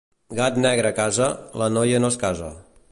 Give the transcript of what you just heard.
Gat negre a casa, la noia no es casa.